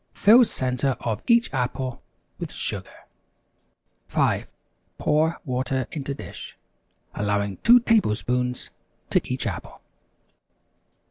Fill center of each apple with sugar. 5. Pour water into dish, allowing 2 tablespoons to each apple.